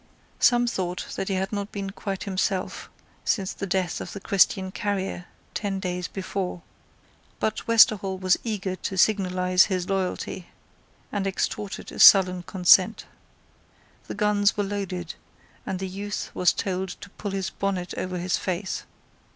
Some thought that he had not been quite himself since the death of the Christian carrier, ten days before. But Westerhall was eager to signalise his loyalty, and extorted a sullen consent. The guns were loaded, and the youth was told to pull his bonnet over his face.